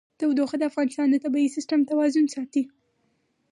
تودوخه د افغانستان د طبعي سیسټم توازن ساتي.